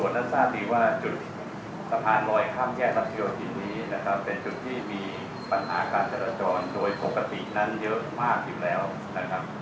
ที่มีปัญหาการช่องกัญจารจรโดยปกตินั้นเยอะมากอยู่แล้วนะครับ